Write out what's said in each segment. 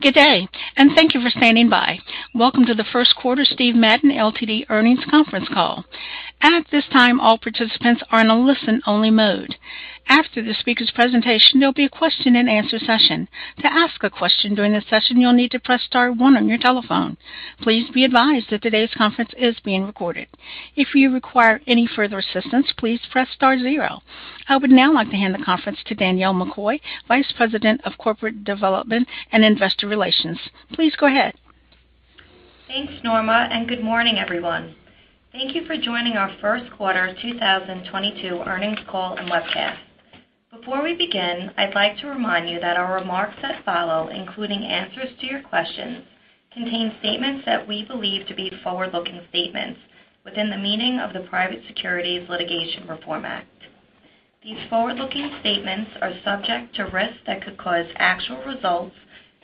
Good day, and thank you for standing by. Welcome to the first quarter Steven Madden, Ltd earnings conference call. At this time, all participants are in a listen-only mode. After the speaker's presentation, there'll be a question-and-answer session. To ask a question during the session, you'll need to press star one on your telephone. Please be advised that today's conference is being recorded. If you require any further assistance, please press star zero. I would now like to hand the conference to Danielle McCoy, Vice President of Corporate Development and Investor Relations. Please go ahead. Thanks, Norma, and good morning, everyone. Thank you for joining our first quarter 2022 earnings call and webcast. Before we begin, I'd like to remind you that our remarks that follow, including answers to your questions, contain statements that we believe to be forward-looking statements within the meaning of the Private Securities Litigation Reform Act. These forward-looking statements are subject to risks that could cause actual results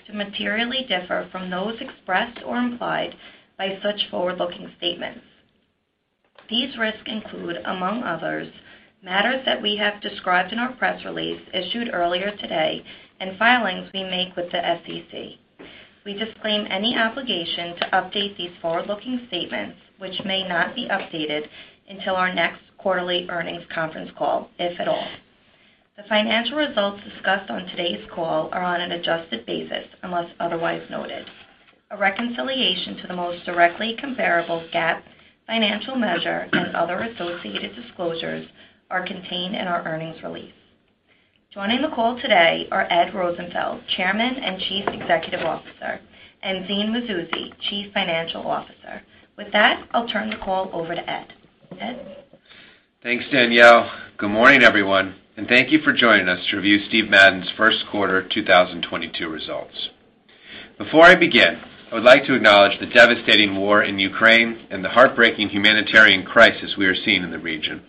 to materially differ from those expressed or implied by such forward-looking statements. These risks include, among others, matters that we have described in our press release issued earlier today and filings we make with the SEC. We disclaim any obligation to update these forward-looking statements, which may not be updated until our next quarterly earnings conference call, if at all. The financial results discussed on today's call are on an adjusted basis, unless otherwise noted. A reconciliation to the most directly comparable GAAP financial measure and other associated disclosures are contained in our earnings release. Joining the call today are Ed Rosenfeld, Chairman and Chief Executive Officer, and Zine Mazouzi, Chief Financial Officer. With that, I'll turn the call over to Ed. Ed? Thanks, Danielle. Good morning, everyone, and thank you for joining us to review Steve Madden's first quarter 2022 results. Before I begin, I would like to acknowledge the devastating war in Ukraine and the heartbreaking humanitarian crisis we are seeing in the region.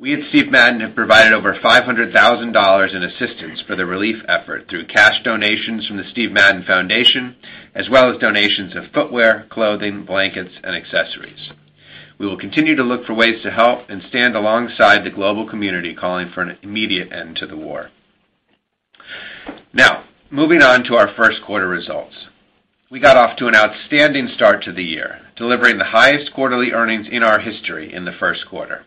We at Steve Madden have provided over $500,000 in assistance for the relief effort through cash donations from the Steve Madden Foundation, as well as donations of footwear, clothing, blankets, and accessories. We will continue to look for ways to help and stand alongside the global community calling for an immediate end to the war. Now, moving on to our first quarter results. We got off to an outstanding start to the year, delivering the highest quarterly earnings in our history in the first quarter.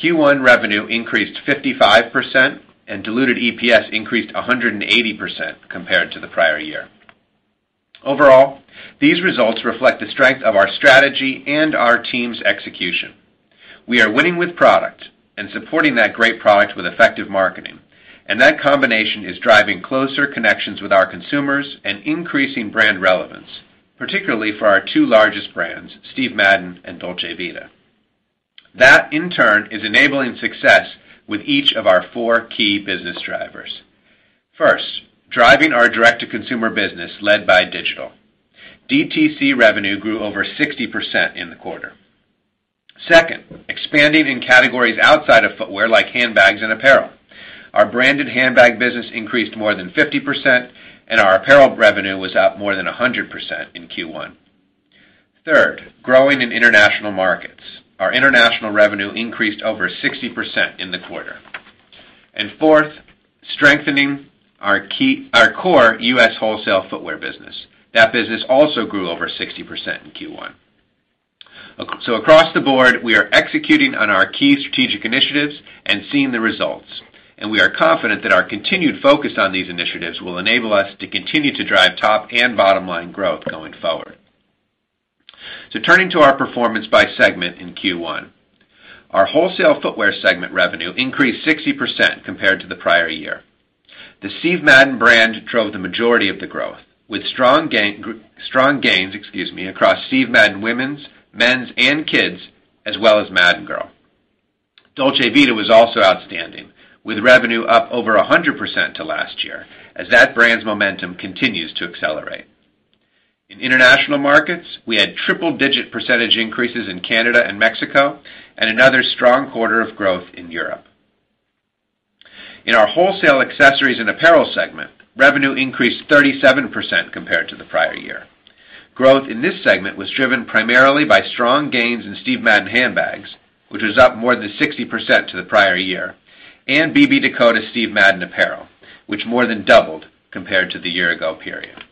Q1 revenue increased 55%, and diluted EPS increased 180% compared to the prior year. Overall, these results reflect the strength of our strategy and our team's execution. We are winning with product and supporting that great product with effective marketing, and that combination is driving closer connections with our consumers and increasing brand relevance, particularly for our two largest brands, Steve Madden and Dolce Vita. That, in turn, is enabling success with each of our four key business drivers. First, driving our direct-to-consumer business led by digital. DTC revenue grew over 60% in the quarter. Second, expanding in categories outside of footwear like handbags and apparel. Our branded handbag business increased more than 50%, and our apparel revenue was up more than 100% in Q1. Third, growing in international markets. Our international revenue increased over 60% in the quarter. Fourth, strengthening our core U.S. wholesale footwear business. That business also grew over 60% in Q1. Across the board, we are executing on our key strategic initiatives and seeing the results, and we are confident that our continued focus on these initiatives will enable us to continue to drive top and bottom line growth going forward. Turning to our performance by segment in Q1. Our wholesale footwear segment revenue increased 60% compared to the prior year. The Steve Madden brand drove the majority of the growth with strong gains, excuse me, across Steve Madden women's, men's, and kids, as well as Madden Girl. Dolce Vita was also outstanding with revenue up over 100% to last year as that brand's momentum continues to accelerate. In international markets, we had triple-digit percentage increases in Canada and Mexico and another strong quarter of growth in Europe. In our wholesale accessories and apparel segment, revenue increased 37% compared to the prior year. Growth in this segment was driven primarily by strong gains in Steve Madden handbags, which was up more than 60% compared to the prior year, and BB Dakota by Steve Madden apparel, which more than doubled compared to the year-ago period.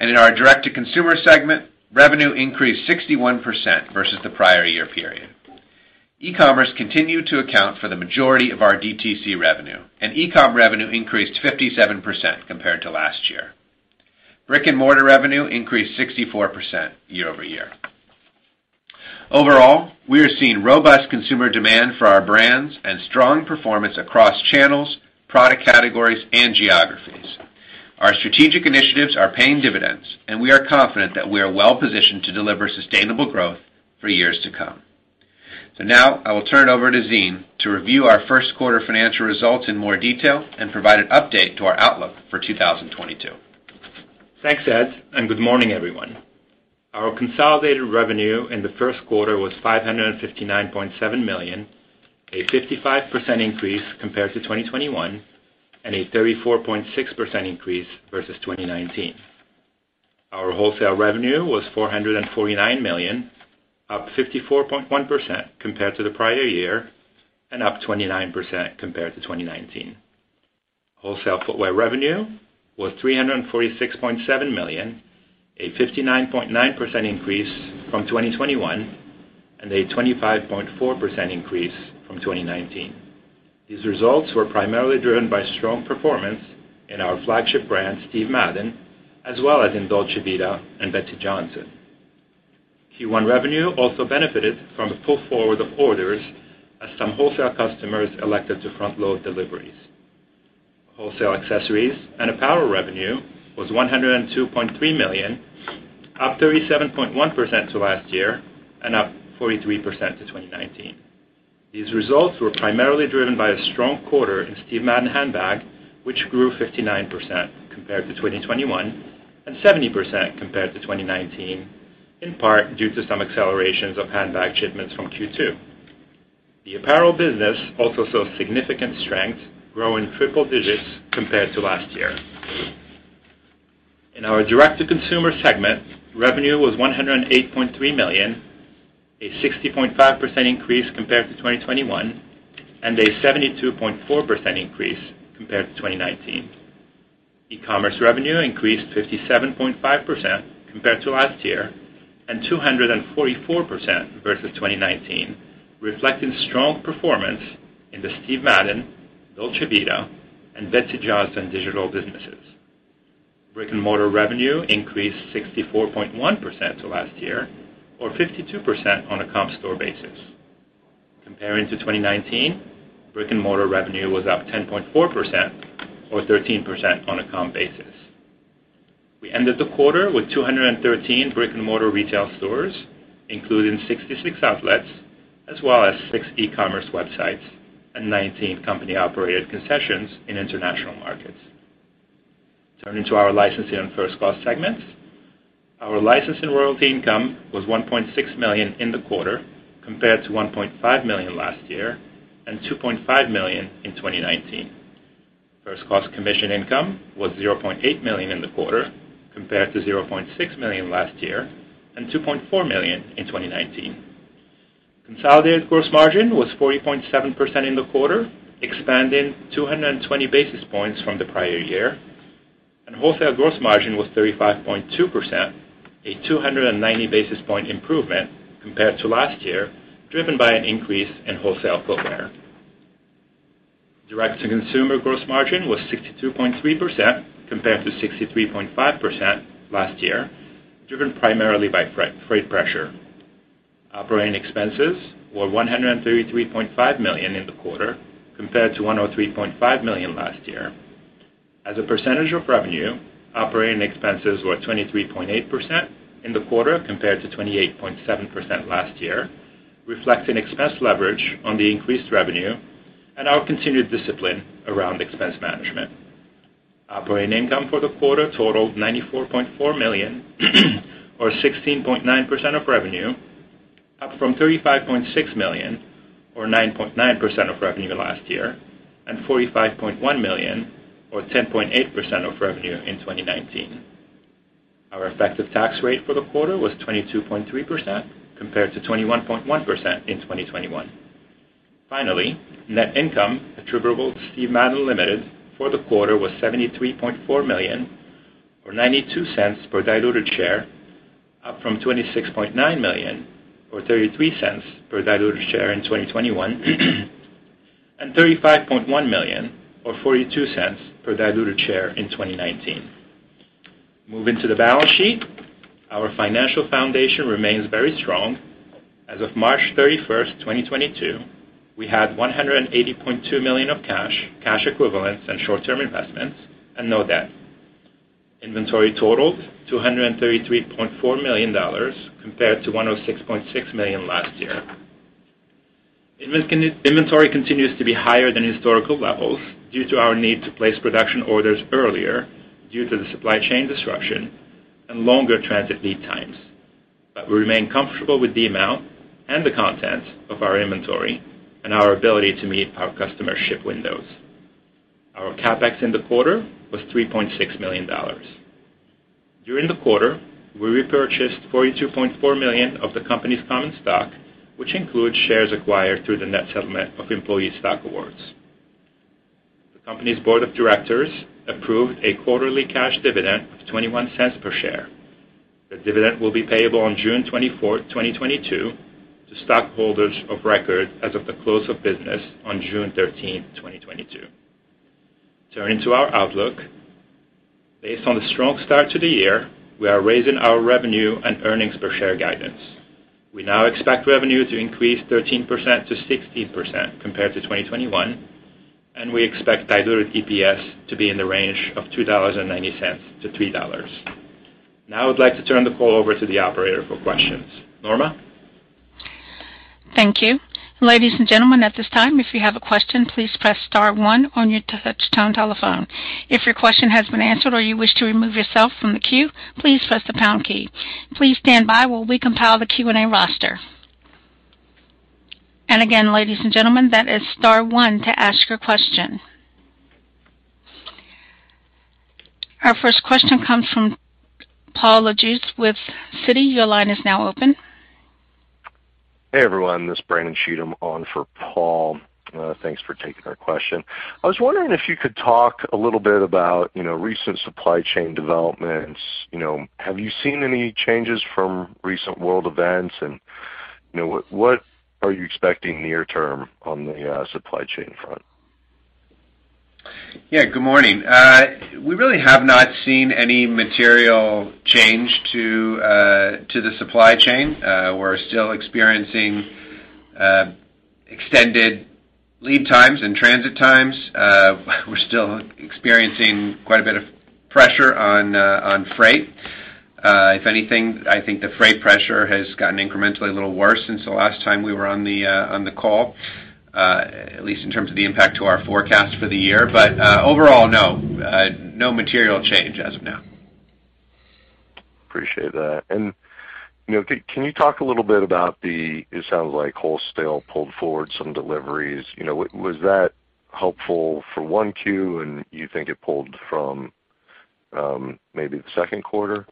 In our direct-to-consumer segment, revenue increased 61% versus the prior year period. E-commerce continued to account for the majority of our DTC revenue, and e-com revenue increased 57% compared to last year. Brick-and-mortar revenue increased 64% year over year. Overall, we are seeing robust consumer demand for our brands and strong performance across channels, product categories, and geographies. Our strategic initiatives are paying dividends, and we are confident that we are well-positioned to deliver sustainable growth for years to come. Now I will turn it over to Zine to review our first quarter financial results in more detail and provide an update to our outlook for 2022. Thanks, Ed, and good morning, everyone. Our consolidated revenue in the first quarter was $559.7 million, a 55% increase compared to 2021 and a 34.6% increase versus 2019. Our wholesale revenue was $449 million, up 54.1% compared to the prior year and up 29% compared to 2019. Wholesale footwear revenue was $346.7 million, a 59.9% increase from 2021 and a 25.4% increase from 2019. These results were primarily driven by strong performance in our flagship brand, Steve Madden, as well as in Dolce Vita and Betsey Johnson. Q1 revenue also benefited from the pull forward of orders as some wholesale customers elected to front load deliveries. Wholesale accessories and apparel revenue was $102.3 million, up 37.1% to last year and up 43% to 2019. These results were primarily driven by a strong quarter in Steve Madden handbag, which grew 59% compared to 2021 and 70% compared to 2019, in part due to some accelerations of handbag shipments from Q2. The apparel business also saw significant strength, growing triple digits compared to last year. In our direct to consumer segment, revenue was $108.3 million, a 60.5% increase compared to 2021, and a 72.4% increase compared to 2019. E-commerce revenue increased 57.5% compared to last year and 244% versus 2019, reflecting strong performance in the Steve Madden, Dolce Vita, and Betsey Johnson digital businesses. Brick-and-mortar revenue increased 64.1% to last year or 52% on a comp store basis. Comparing to 2019, brick-and-mortar revenue was up 10.4% or 13% on a comp basis. We ended the quarter with 213 brick-and-mortar retail stores, including 66 outlets as well as 6 e-commerce websites and 19 company-operated concessions in international markets. Turning to our licensing and first cost segments. Our license and royalty income was $1.6 million in the quarter compared to $1.5 million last year and $2.5 million in 2019. First cost commission income was $0.8 million in the quarter compared to $0.6 million last year and $2.4 million in 2019. Consolidated gross margin was 40.7% in the quarter, expanding 220 basis points from the prior year. Wholesale gross margin was 35.2%, a 290 basis points improvement compared to last year, driven by an increase in wholesale footwear. Direct to consumer gross margin was 62.3% compared to 63.5% last year, driven primarily by freight pressure. Operating expenses were $133.5 million in the quarter compared to $103.5 million last year. As a percentage of revenue, operating expenses were 23.8% in the quarter compared to 28.7% last year, reflecting expense leverage on the increased revenue and our continued discipline around expense management. Operating income for the quarter totaled $94.4 million or 16.9% of revenue, up from $35.6 million or 9.9% of revenue last year, and $45.1 million or 10.8% of revenue in 2019. Our effective tax rate for the quarter was 22.3% compared to 21.1% in 2021. Finally, net income attributable to Steven Madden, Ltd for the quarter was $73.4 million or $0.92 per diluted share, up from $26.9 million or $0.33 per diluted share in 2021 and $35.1 million or $0.42 per diluted share in 2019. Moving to the balance sheet. Our financial foundation remains very strong. As of March 31, 2022, we had $180.2 million of cash equivalents and short-term investments and no debt. Inventory totaled $233.4 million compared to $106.6 million last year. Inventory continues to be higher than historical levels due to our need to place production orders earlier due to the supply chain disruption and longer transit lead times. We remain comfortable with the amount and the content of our inventory and our ability to meet our customer ship windows. Our CapEx in the quarter was $3.6 million. During the quarter, we repurchased $42.4 million of the company's common stock, which includes shares acquired through the net settlement of employee stock awards. The company's board of directors approved a quarterly cash dividend of $0.21 per share. The dividend will be payable on June 24th, 2022 to stockholders of record as of the close of business on June 13th, 2022. Turning to our outlook. Based on the strong start to the year, we are raising our revenue and earnings per share guidance. We now expect revenue to increase 13%-16% compared to 2021, and we expect diluted EPS to be in the range of $2.90-$3.00. Now I would like to turn the call over to the operator for questions. Norma? Thank you. Ladies and gentlemen, at this time, if you have a question, please press star one on your touch tone telephone. If your question has been answered or you wish to remove yourself from the queue, please press the pound key. Please stand by while we compile the Q&A roster. Again, ladies and gentlemen, that is star one to ask your question. Our first question comes from Paul Lejuez with Citi. Your line is now open. Hey, everyone, this is Brandon Cheatham on for Paul. Thanks for taking our question. I was wondering if you could talk a little bit about, you know, recent supply chain developments. You know, have you seen any changes from recent world events? You know, what are you expecting near term on the supply chain front? Yeah. Good morning. We really have not seen any material change to the supply chain. We're still experiencing extended lead times and transit times. We're still experiencing quite a bit of pressure on freight. If anything, I think the freight pressure has gotten incrementally a little worse since the last time we were on the call, at least in terms of the impact to our forecast for the year. Overall, no material change as of now. Appreciate that. You know, can you talk a little bit about the, it sounds like wholesale pulled forward some deliveries. You know, was that helpful for Q1, and you think it pulled from, maybe the second quarter?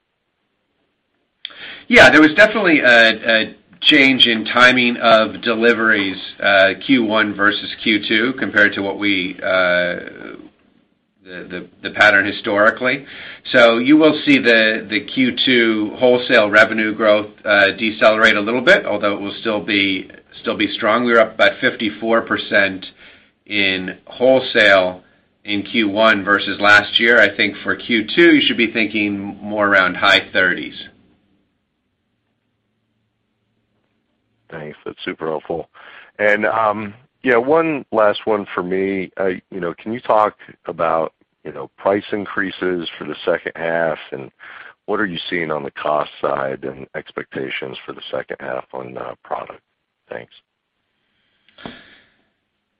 Yeah. There was definitely a change in timing of deliveries, Q1 versus Q2 compared to the pattern historically. You will see the Q2 wholesale revenue growth decelerate a little bit, although it will still be strong. We were up about 54% in wholesale in Q1 versus last year. I think for Q2, you should be thinking more around high 30s%. Thanks. That's super helpful. Yeah, one last one for me. You know, can you talk about, you know, price increases for the second half, and what are you seeing on the cost side and expectations for the second half on, product? Thanks.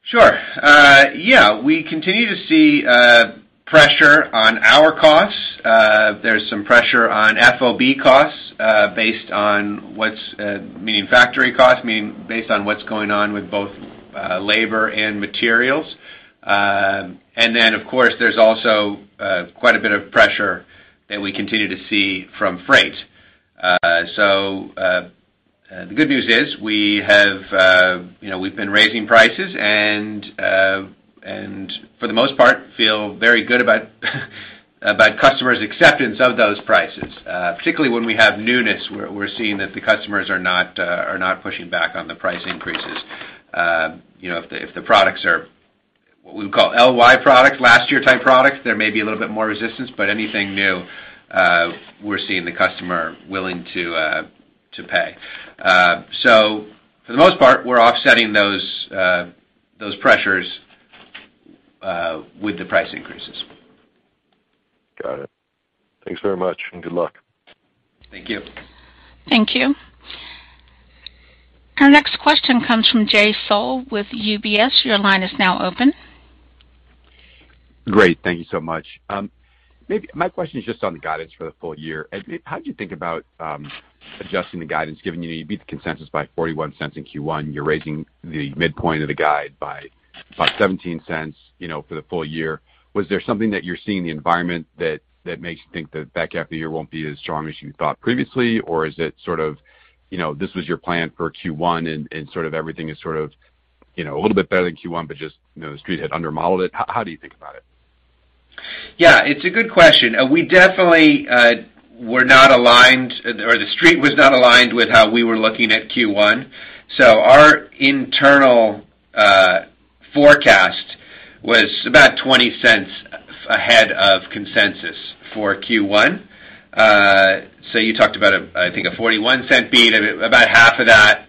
Sure. Yeah. We continue to see pressure on our costs. There's some pressure on FOB costs, meaning factory costs, based on what's going on with both labor and materials. Of course, there's also quite a bit of pressure that we continue to see from freight. The good news is we have, you know, we've been raising prices and for the most part feel very good about customers' acceptance of those prices. Particularly when we have newness, we're seeing that the customers are not pushing back on the price increases. You know, if the products are what we would call LY products, last year type products, there may be a little bit more resistance, but anything new, we're seeing the customer willing to pay. For the most part, we're offsetting those pressures with the price increases. Got it. Thanks very much, and good luck. Thank you. Thank you. Our next question comes from Jay Sole with UBS. Your line is now open. Great. Thank you so much. Maybe my question is just on the guidance for the full year. How do you think about adjusting the guidance given you beat the consensus by $0.41 in Q1? You're raising the midpoint of the guide by about $0.17, you know, for the full year. Was there something that you're seeing in the environment that makes you think the back half of the year won't be as strong as you thought previously? Or is it sort of, you know, this was your plan for Q1 and sort of everything is sort of, you know, a little bit better than Q1, but just, you know, The Street had under-modeled it? How do you think about it? Yeah, it's a good question. We definitely were not aligned or The Street was not aligned with how we were looking at Q1. Our internal forecast was about $0.20 ahead of consensus for Q1. You talked about, I think, a $0.41 beat. About half of that,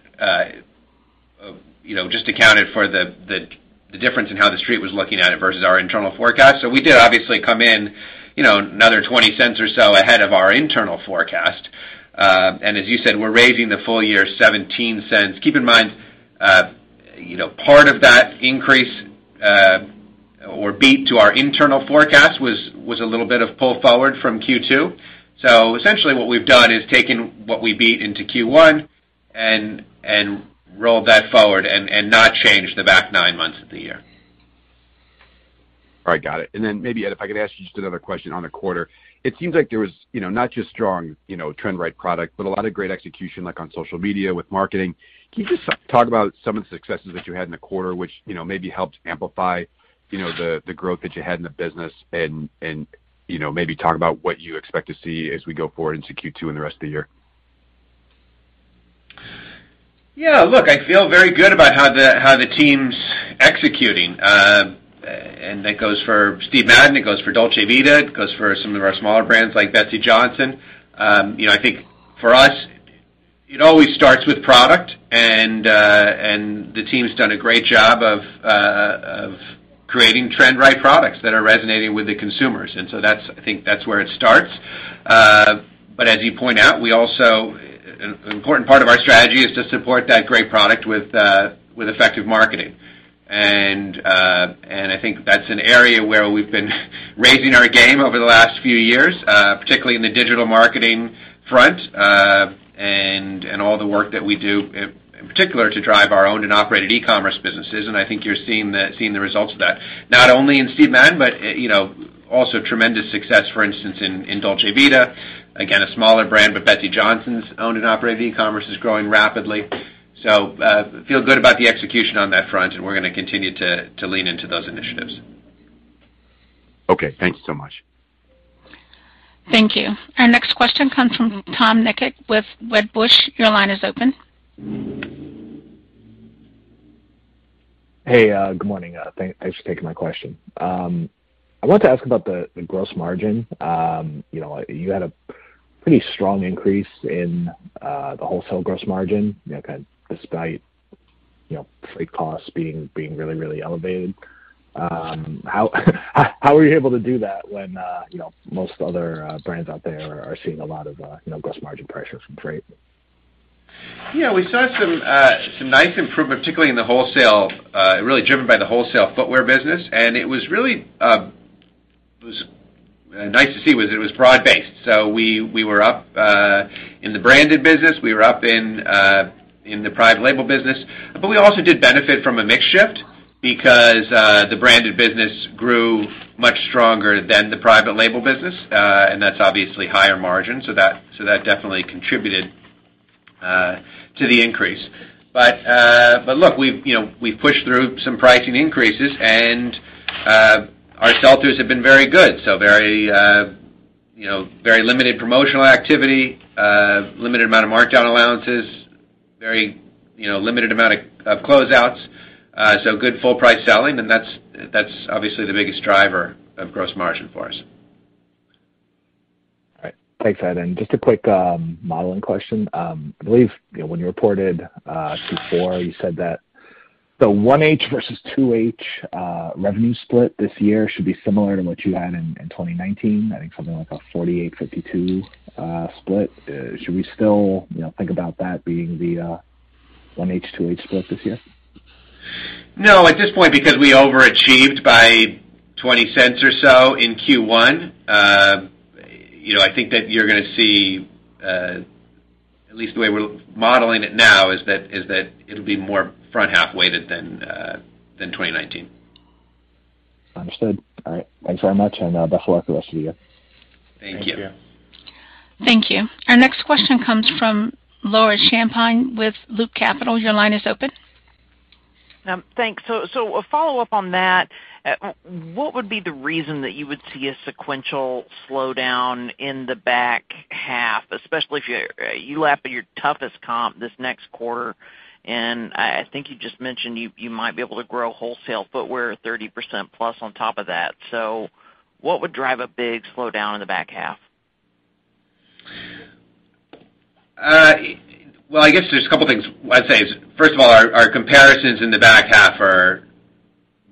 you know, just accounted for the difference in how The Street was looking at it versus our internal forecast. We did obviously come in, you know, another $0.20 or so ahead of our internal forecast. As you said, we're raising the full-year $0.17. Keep in mind, you know, part of that increase or beat to our internal forecast was a little bit of pull forward from Q2. Essentially what we've done is taken what we beat into Q1 and rolled that forward and not changed the back nine months of the year. All right. Got it. Maybe if I could ask you just another question on the quarter. It seems like there was, you know, not just strong, you know, trend-right product, but a lot of great execution, like on social media with marketing. Can you just talk about some of the successes that you had in the quarter, which, you know, maybe helped amplify, you know, the growth that you had in the business? You know, maybe talk about what you expect to see as we go forward into Q2 and the rest of the year. Yeah. Look, I feel very good about how the team's executing. That goes for Steve Madden, it goes for Dolce Vita, it goes for some of our smaller brands like Betsey Johnson. You know, I think for us, it always starts with product and the team's done a great job of creating trend-right products that are resonating with the consumers. That's, I think, where it starts. As you point out, an important part of our strategy is to support that great product with effective marketing. I think that's an area where we've been raising our game over the last few years, particularly in the digital marketing front, and all the work that we do, in particular, to drive our owned and operated e-commerce businesses. I think you're seeing the results of that, not only in Steve Madden, but also tremendous success, for instance, in Dolce Vita. Again, a smaller brand, but Betsey Johnson's owned and operated e-commerce is growing rapidly. Feel good about the execution on that front, and we're gonna continue to lean into those initiatives. Okay. Thank you so much. Thank you. Our next question comes from Tom Nikic with Wedbush. Your line is open. Hey, good morning. Thanks for taking my question. I want to ask about the gross margin. You know, you had a pretty strong increase in the wholesale gross margin, you know, kind of despite you know, freight costs being really, really elevated. How were you able to do that when you know, most other brands out there are seeing a lot of you know, gross margin pressure from freight? Yeah, we saw some nice improvement, particularly in the wholesale, really driven by the wholesale footwear business. It was really nice to see it was broad-based. We were up in the branded business. We were up in the private label business. We also did benefit from a mix shift because the branded business grew much stronger than the private label business. And that's obviously higher margin, so that definitely contributed to the increase. Look, you know, we've pushed through some pricing increases, and our sell-throughs have been very good. You know, very limited promotional activity, limited amount of markdown allowances, you know, very limited amount of closeouts. Good full price selling, and that's obviously the biggest driver of gross margin for us. All right. Take that in. Just a quick modeling question. I believe, you know, when you reported Q4, you said that the 1H versus 2H revenue split this year should be similar to what you had in 2019. I think something like a 48, 52 split. Should we still, you know, think about that being the 1H, 2H split this year? No, at this point, because we overachieved by $0.20 or so in Q1, you know, I think that you're gonna see, at least the way we're modeling it now, is that it'll be more front half-weighted than 2019. Understood. All right. Thanks very much, and best of luck the rest of the year. Thank you. Thank you. Our next question comes from Laura Champine with Loop Capital. Your line is open. Thanks. A follow-up on that. What would be the reason that you would see a sequential slowdown in the back half, especially if you're lapping your toughest comp this next quarter? I think you just mentioned you might be able to grow wholesale footwear 30% plus on top of that. What would drive a big slowdown in the back half? Well, I guess there's a couple things I'd say. First of all, our comparisons in the back half are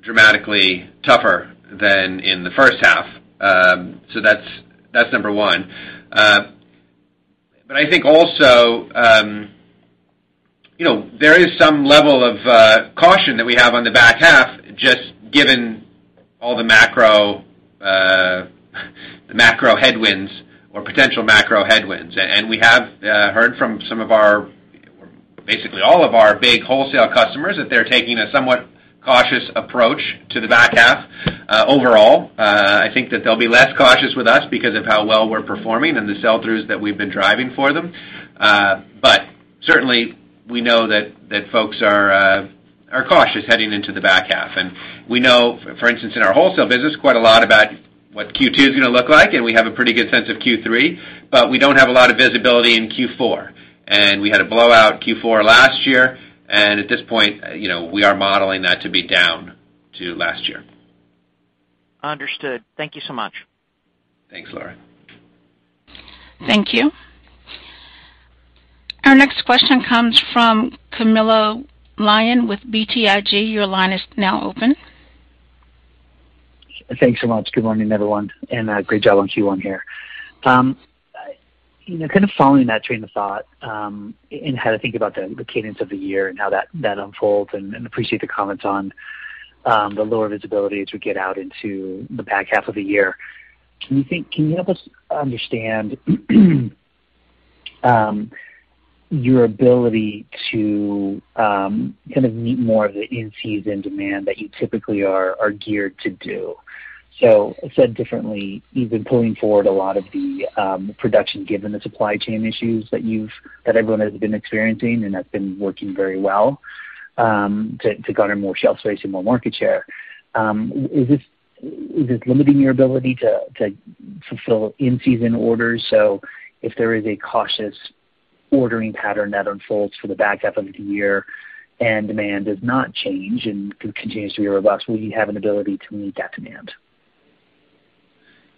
dramatically tougher than in the first half. That's number one. I think also, you know, there is some level of caution that we have on the back half, just given all the macro headwinds or potential macro headwinds. We have heard from some of our, basically all of our big wholesale customers that they're taking a somewhat cautious approach to the back half overall. I think that they'll be less cautious with us because of how well we're performing and the sell-throughs that we've been driving for them. Certainly we know that folks are cautious heading into the back half. We know, for instance, in our wholesale business, quite a lot about what Q2 is gonna look like, and we have a pretty good sense of Q3, but we don't have a lot of visibility in Q4. We had a blowout Q4 last year, and at this point, you know, we are modeling that to be down to last year. Understood. Thank you so much. Thanks, Laura. Thank you. Our next question comes from Camilo Lyon with BTIG. Your line is now open. Thanks so much. Good morning, everyone, and great job on Q1 here. You know, kind of following that train of thought, in how to think about the cadence of the year and how that unfolds, and appreciate the comments on the lower visibility as we get out into the back half of the year. Can you help us understand your ability to kind of meet more of the in-season demand that you typically are geared to do? Said differently, you've been pulling forward a lot of the production given the supply chain issues that everyone has been experiencing, and that's been working very well to garner more shelf space and more market share. Is this limiting your ability to fulfill in-season orders? If there is a cautious ordering pattern that unfolds for the back half of the year and demand does not change and continues to be robust, will you have an ability to meet that demand?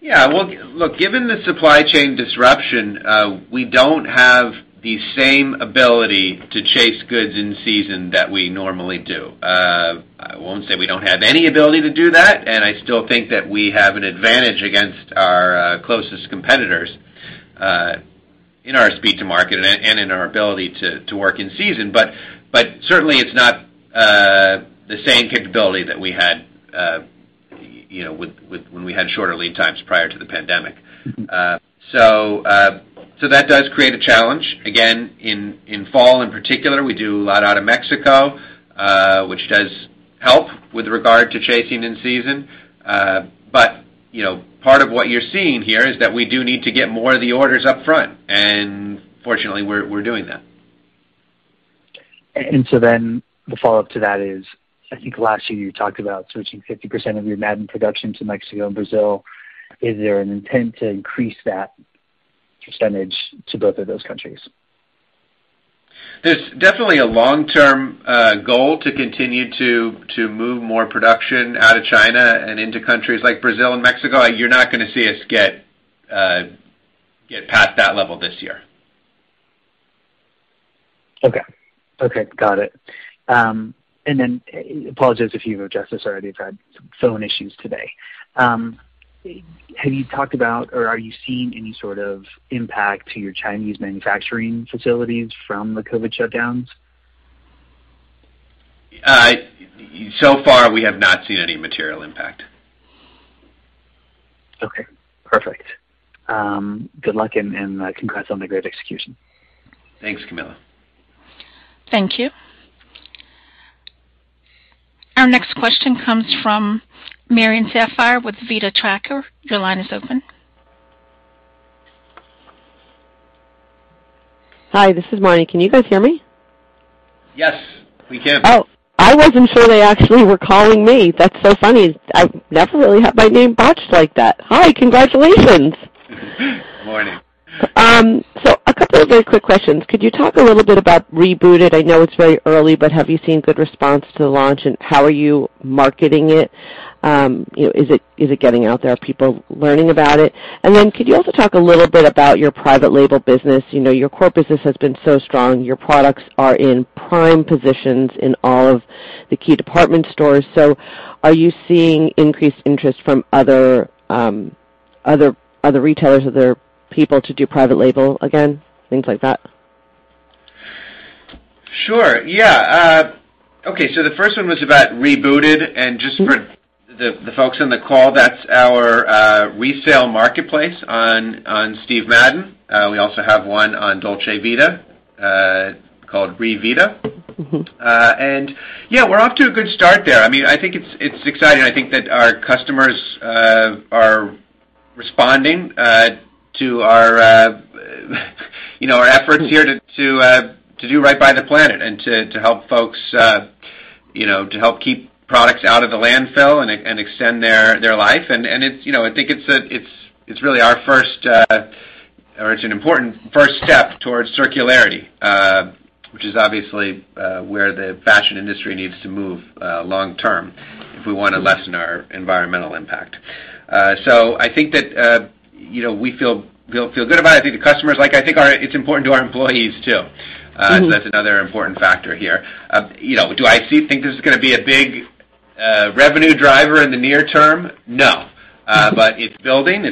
Yeah. Well, look, given the supply chain disruption, we don't have the same ability to chase goods in season that we normally do. I won't say we don't have any ability to do that, and I still think that we have an advantage against our closest competitors in our speed to market and in our ability to work in season. But certainly it's not the same capability that we had, you know, when we had shorter lead times prior to the pandemic. That does create a challenge. Again, in fall, in particular, we do a lot out of Mexico, which does help with regard to chasing in season. You know, part of what you're seeing here is that we do need to get more of the orders up front. Fortunately, we're doing that. The follow-up to that is, I think last year you talked about switching 50% of your Madden production to Mexico and Brazil. Is there an intent to increase that percentage to both of those countries? There's definitely a long-term goal to continue to move more production out of China and into countries like Brazil and Mexico. You're not gonna see us get past that level this year. Okay. Okay, got it. Apologize if you've addressed this already. I've had some phone issues today. Have you talked about or are you seeing any sort of impact to your Chinese manufacturing facilities from the COVID shutdowns? So far, we have not seen any material impact. Okay, perfect. Good luck and congrats on the great execution. Thanks, Camilo. Thank you. Our next question comes from Marni Shapiro with The Retail Tracker. Your line is open. Hi, this is Marni. Can you guys hear me? Yes, we can. Oh, I wasn't sure they actually were calling me. That's so funny. I never really have my name botched like that. Hi, congratulations. Morning. A couple of very quick questions. Could you talk a little bit about REBOOTED? I know it's very early, but have you seen good response to the launch, and how are you marketing it? You know, is it getting out there? Are people learning about it? Could you also talk a little bit about your private label business? You know, your core business has been so strong. Your products are in prime positions in all of the key department stores. Are you seeing increased interest from other retailers, other people to do private label again, things like that? Sure. Yeah. The first one was about REBOOTED. Just for the folks on the call, that's our resale marketplace on Steve Madden. We also have one on Dolce Vita called re:vita. Yeah, we're off to a good start there. I mean, I think it's exciting. I think that our customers are responding to our, you know, our efforts here to do right by the planet and to help folks, you know, to help keep products out of the landfill and extend their life. It's, you know, I think it's really our first or an important first step towards circularity, which is obviously where the fashion industry needs to move long term if we wanna lessen our environmental impact. I think that, you know, we feel good about it. I think the customers like it. It's important to our employees, too. That's another important factor here. Do I think this is gonna be a big revenue driver in the near term? No. It's building.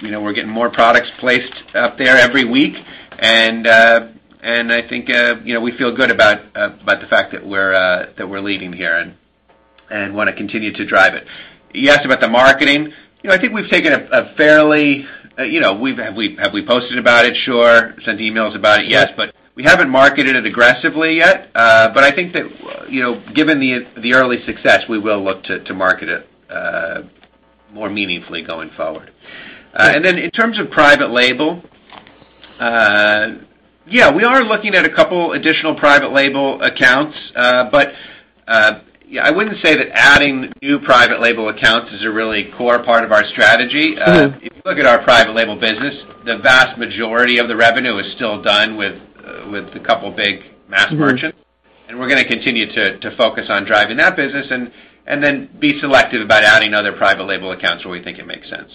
You know, we're getting more products placed up there every week. I think, you know, we feel good about the fact that we're leading here and wanna continue to drive it. You asked about the marketing. You know, I think. Have we posted about it? Sure. Sent emails about it? Yes. We haven't marketed it aggressively yet. I think that, you know, given the early success, we will look to market it more meaningfully going forward. In terms of private label, we are looking at a couple additional private label accounts. I wouldn't say that adding new private label accounts is a really core part of our strategy. If you look at our private label business, the vast majority of the revenue is still done with a couple big mass merchants. We're gonna continue to focus on driving that business and then be selective about adding other private label accounts where we think it makes sense.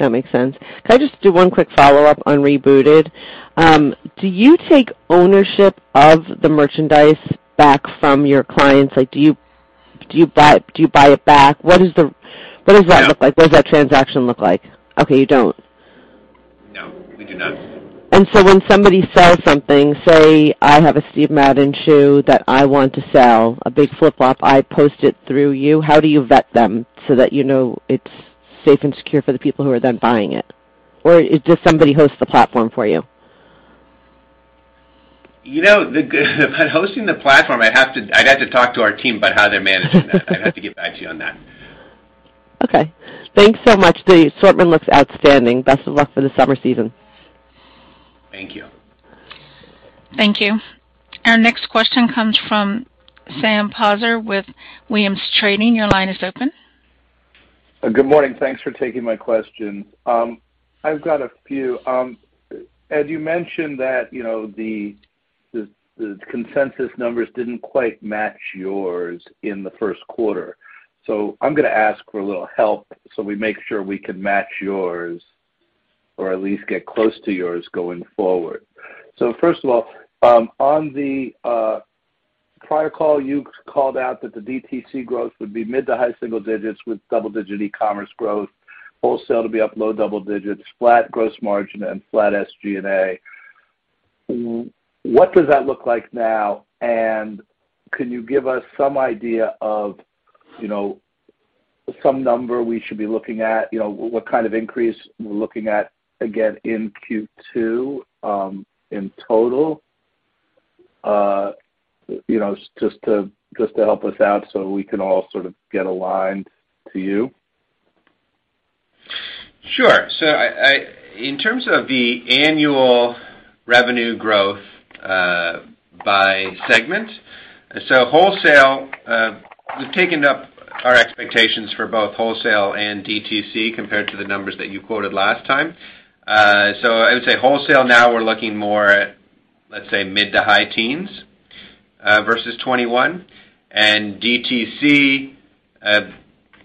That makes sense. Can I just do one quick follow-up on REBOOTED? Do you take ownership of the merchandise back from your clients? Like, do you buy it back? What is the- No. What does that look like? What does that transaction look like? Okay, you don't. No, we do not. When somebody sells something, say I have a Steve Madden shoe that I want to sell, a big flip-flop, I post it through you, how do you vet them so that you know it's safe and secure for the people who are then buying it? Or does somebody host the platform for you? You know, hosting the platform, I'd have to talk to our team about how they're managing that. I'd have to get back to you on that. Okay. Thanks so much. The assortment looks outstanding. Best of luck for the summer season. Thank you. Thank you. Our next question comes from Sam Poser with Williams Trading. Your line is open. Good morning. Thanks for taking my questions. I've got a few. Ed, you mentioned that, you know, the consensus numbers didn't quite match yours in the first quarter. I'm gonna ask for a little help so we make sure we can match yours or at least get close to yours going forward. First of all, on the prior call, you called out that the DTC growth would be mid to high single digits with double digit e-commerce growth, wholesale to be up low double digits, flat gross margin and flat SG&A. What does that look like now? And can you give us some idea of, you know, some number we should be looking at? You know, what kind of increase we're looking at again in Q2, in total? You know, just to help us out so we can all sort of get aligned to you. Sure. I in terms of the annual revenue growth by segment, wholesale, we've taken up our expectations for both wholesale and DTC compared to the numbers that you quoted last time. I would say wholesale now we're looking more at, let's say, mid- to high teens versus 21%. DTC,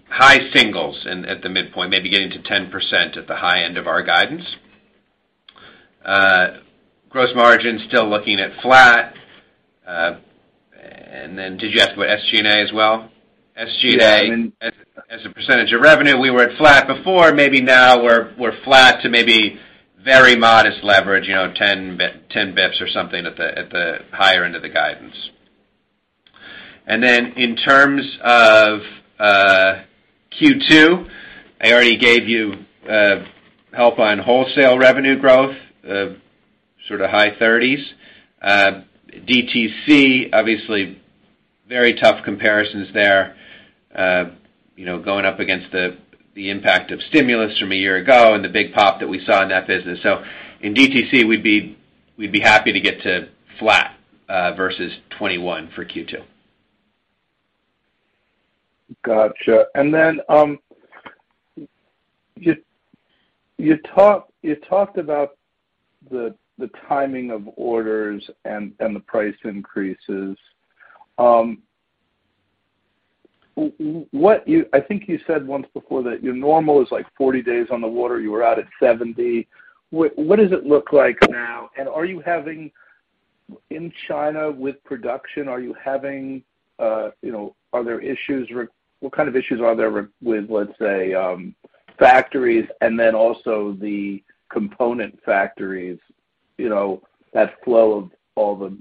high single digits at the midpoint, maybe getting to 10% at the high end of our guidance. Gross margin, still looking at flat. Then did you ask about SG&A as well? SG&A. Yeah. I mean. As a percentage of revenue, we were at flat before. Maybe now we're flat to maybe very modest leverage, you know, 10 basis points or something at the higher end of the guidance. Then in terms of Q2, I already gave you help on wholesale revenue growth, sort of high 30s%. DTC, obviously very tough comparisons there, you know, going up against the impact of stimulus from a year ago and the big pop that we saw in that business. In DTC, we'd be happy to get to flat versus 21% for Q2. Gotcha. Then, you talked about the timing of orders and the price increases. I think you said once before that your normal is like 40 days on the water, you were out at 70. What does it look like now? Are you having in China with production, are you having, you know, are there issues what kind of issues are there with, let's say, factories and then also the component factories, you know, that flow of all the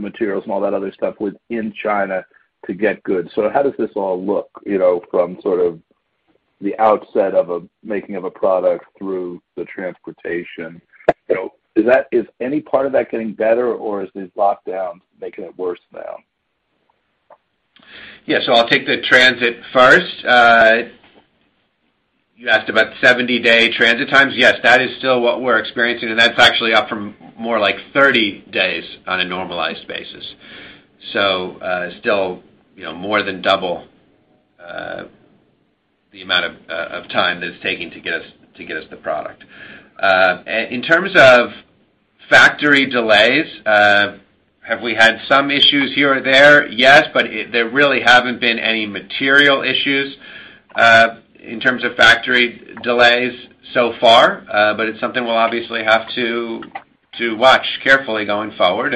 materials and all that other stuff in China to get goods? How does this all look, you know, from sort of the outset of a making of a product through the transportation? You know, is any part of that getting better or is these lockdowns making it worse now? Yeah. I'll take the transit first. You asked about 70-day transit times. Yes, that is still what we're experiencing, and that's actually up from more like 30 days on a normalized basis. Still, you know, more than double the amount of time that it's taking to get us the product. In terms of factory delays, have we had some issues here or there? Yes, but there really haven't been any material issues in terms of factory delays so far. But it's something we'll obviously have to watch carefully going forward.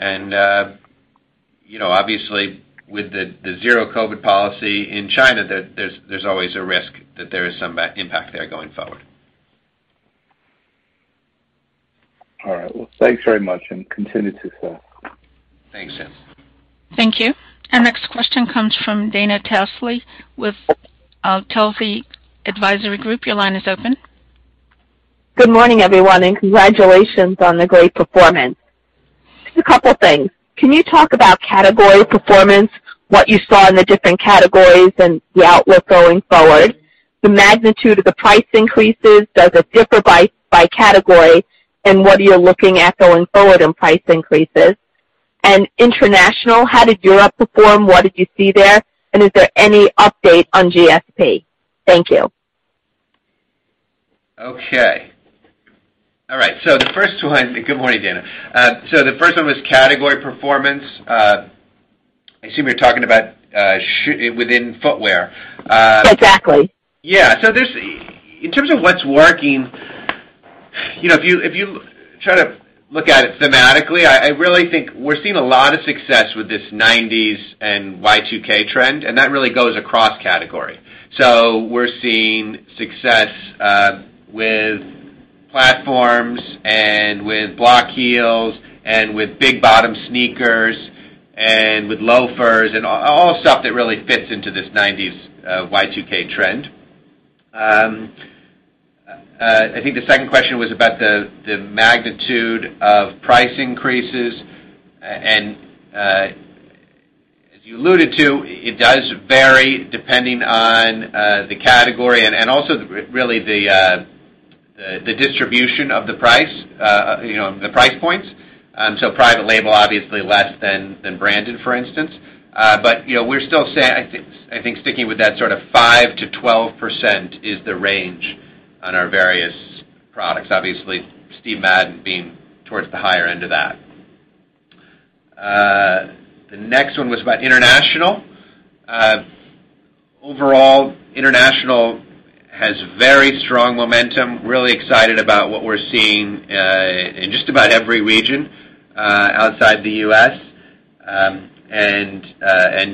You know, obviously with the zero COVID policy in China, there's always a risk that there is some impact there going forward. All right. Well, thanks very much and continue to sell. Thanks, Sam. Thank you. Our next question comes from Dana Telsey with Telsey Advisory Group. Your line is open. Good morning, everyone, and congratulations on the great performance. Just a couple things. Can you talk about category performance, what you saw in the different categories and the outlook going forward? The magnitude of the price increases, does it differ by category? And what are you looking at going forward in price increases? And international, how did Europe perform? What did you see there? And is there any update on GSP? Thank you. Okay. All right. The first one. Good morning, Dana. The first one was category performance. I assume you're talking about within footwear. Exactly. Yeah. There's in terms of what's working, you know, if you try to look at it thematically, I really think we're seeing a lot of success with this nineties and Y2K trend, and that really goes across category. We're seeing success with platforms and with block heels and with big bottom sneakers and with loafers and all stuff that really fits into this nineties, Y2K trend. I think the second question was about the magnitude of price increases. And as you alluded to, it does vary depending on the category and also really the distribution of the price, you know, the price points. Private label obviously less than branded, for instance. You know, we're still, I think, sticking with that sort of 5%-12% is the range on our various products. Obviously, Steve Madden being towards the higher end of that. The next one was about international. Overall, international has very strong momentum. Really excited about what we're seeing in just about every region outside the U.S.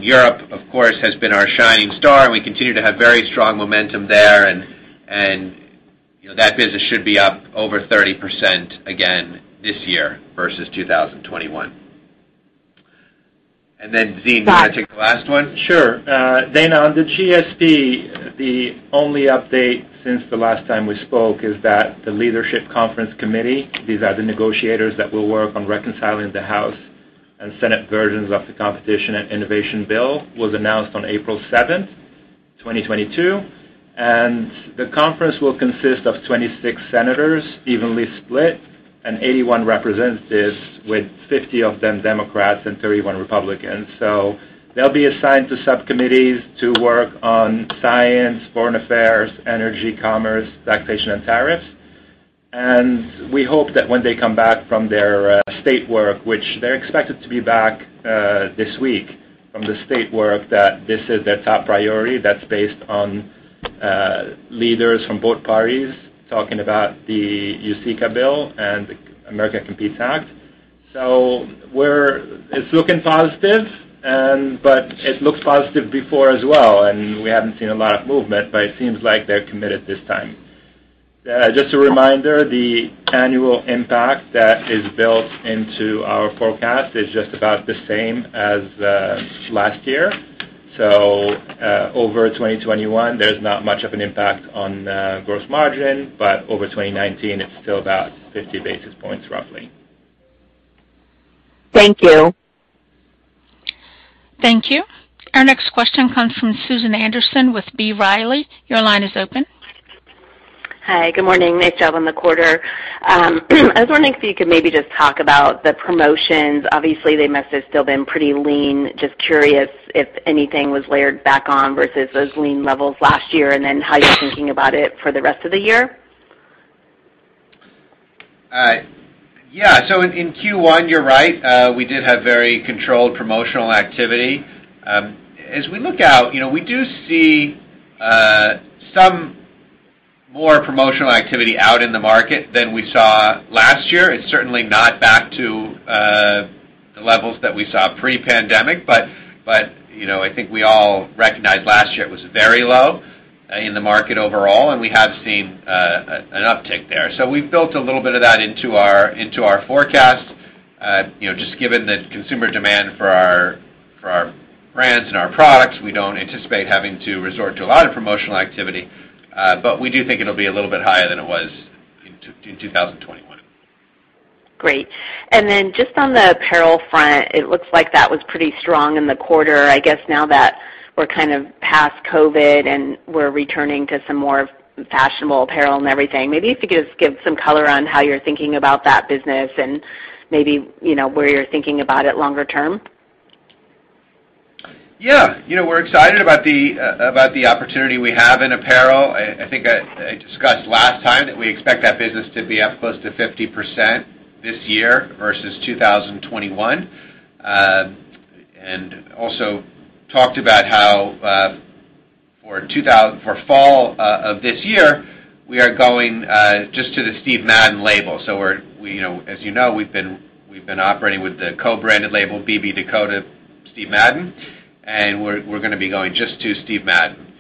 Europe, of course, has been our shining star, and we continue to have very strong momentum there. You know, that business should be up over 30% again this year versus 2021. Then, Zine, do you wanna take the last one? Sure. Dana, on the GSP, the only update since the last time we spoke is that the Leadership Conference Committee, these are the negotiators that will work on reconciling the House and Senate versions of the Competition and Innovation Bill, was announced on April 7, 2022. The conference will consist of 26 senators evenly split, and 81 representatives, with 50 of them Democrats and 31 Republicans. They'll be assigned to subcommittees to work on science, foreign affairs, energy, commerce, taxation, and tariffs. We hope that when they come back from their state work, which they're expected to be back this week, that this is their top priority. That's based on leaders from both parties talking about the USICA bill and America COMPETES Act. It's looking positive, but it looked positive before as well, and we haven't seen a lot of movement, but it seems like they're committed this time. Just a reminder, the annual impact that is built into our forecast is just about the same as last year. Over 2021, there's not much of an impact on gross margin, but over 2019, it's still about 50 basis points roughly. Thank you. Thank you. Our next question comes from Susan Anderson with B. Riley. Your line is open. Hi. Good morning. Nice job on the quarter. I was wondering if you could maybe just talk about the promotions. Obviously, they must have still been pretty lean. Just curious if anything was layered back on versus those lean levels last year, and then how you're thinking about it for the rest of the year. Yeah. In Q1, you're right. We did have very controlled promotional activity. As we look out, you know, we do see some more promotional activity out in the market than we saw last year. It's certainly not back to the levels that we saw pre-pandemic, but you know, I think we all recognize last year it was very low in the market overall, and we have seen an uptick there. We've built a little bit of that into our forecast. You know, just given the consumer demand for our brands and our products, we don't anticipate having to resort to a lot of promotional activity, but we do think it'll be a little bit higher than it was in 2021. Great. Just on the apparel front, it looks like that was pretty strong in the quarter. I guess now that we're kind of past COVID, and we're returning to some more fashionable apparel and everything, maybe if you could just give some color on how you're thinking about that business and maybe, you know, where you're thinking about it longer term. Yeah. You know, we're excited about the opportunity we have in apparel. I think I discussed last time that we expect that business to be up close to 50% this year versus 2021. Also talked about how for fall of this year, we are going just to the Steve Madden label. You know, as you know, we've been operating with the co-branded label BB Dakota by Steve Madden, and we're gonna be going just to Steve Madden.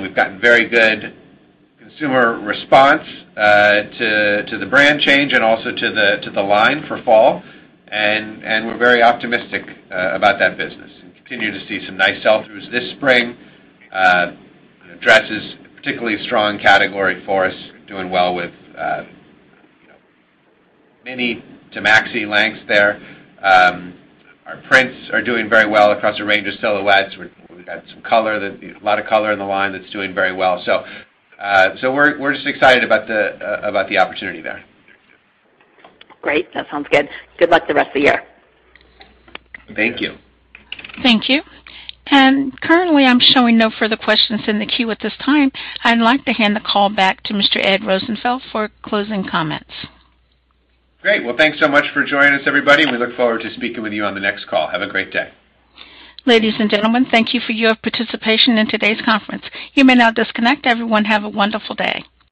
We've gotten very good consumer response to the brand change and also to the line for fall. We're very optimistic about that business and continue to see some nice sell-throughs this spring. Dresses, particularly a strong category for us. Doing well with, you know, mini to maxi lengths there. Our prints are doing very well across a range of silhouettes. We've got a lot of color in the line that's doing very well. So, we're just excited about the opportunity there. Great. That sounds good. Good luck the rest of the year. Thank you. Thank you. Currently, I'm showing no further questions in the queue at this time. I'd like to hand the call back to Mr. Ed Rosenfeld for closing comments. Great. Well, thanks so much for joining us, everybody, and we look forward to speaking with you on the next call. Have a great day. Ladies and gentlemen, thank you for your participation in today's conference. You may now disconnect. Everyone, have a wonderful day.